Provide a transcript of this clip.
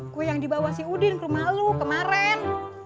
kue yang dibawa si udin ke rumah lu kemarin